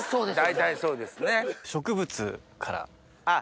大体そうですね。